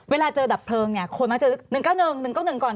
เวลาเจอดะเพิงคนมักเจอ๑๙๑๑๙๑ก่อน